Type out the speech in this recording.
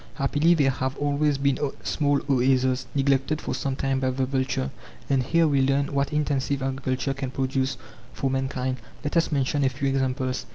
Happily there have always been small oases, neglected for some time by the vulture; and here we learn what intensive agriculture can produce for mankind. Let us mention a few examples.